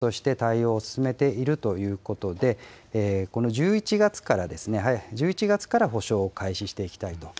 この方々については、事務所として対応を進めているということで、この１１月から、１１月から補償を開始していきたいと。